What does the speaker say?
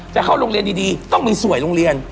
จะเข้าโรงเรียนดีต้องมีสวยโรงเรียน